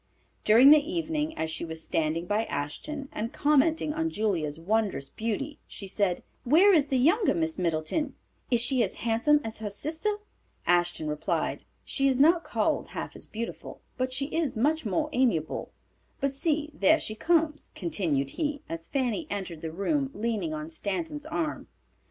During the evening, as she was standing by Ashton and commenting on Julia's wondrous beauty, she said, "Where is the younger Miss Middleton? Is she as handsome as her sister?" Ashton replied, "She is not called half as beautiful, but she is much more amiable; but see there she comes," continued he, as Fanny entered the room leaning on Stanton's arm.